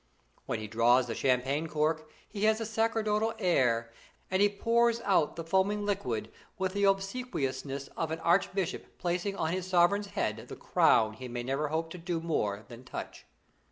When he draws the champagne cork he has a sacerdotal air, and he pours out the foaming liquid with the obsequiousness of an archbishop placing on his sovereign's head the crown he may never hope to do more than touch.